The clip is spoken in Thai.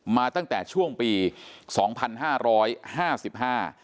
มาตั้งแต่ช่วงปีสองพันห้าร้อยห้าสิบห้า